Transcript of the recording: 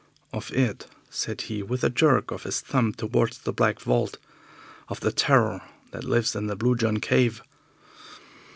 "Of it," said he, with a jerk of his thumb towards the black vault, "of the Terror that lives in the Blue John Cave."